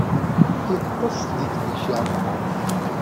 Iṭṭes di tmejja.